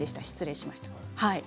失礼しました。